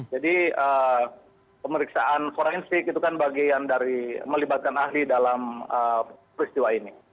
jadi pemeriksaan forensik itu kan bagian dari melibatkan ahli dalam peristiwa ini